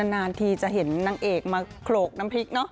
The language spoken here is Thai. นานทีจะเห็นนางเอกมาโขลกน้ำพริกเนอะ